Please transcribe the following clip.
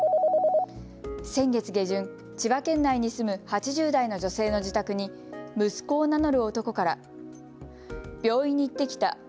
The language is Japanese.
先月下旬、千葉県内に住む８０代の女性の自宅に息子を名乗る男から病院に行ってきた。